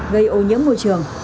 gây ô nhiễm môi trường